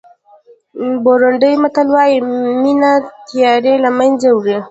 بورونډي متل وایي مینه تیارې له منځه وړي.